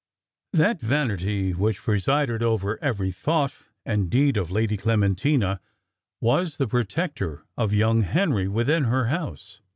That vanity which presided over every thought and deed of Lady Clementina was the protector of young Henry within her house.